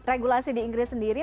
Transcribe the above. regulasi di inggris sendiri